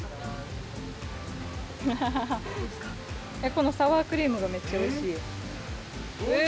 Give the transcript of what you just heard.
このサワークリームがめっちゃおいしい。